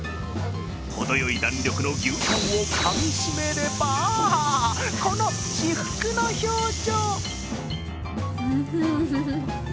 程よい弾力の牛タンをかみしめればこの至福の表情。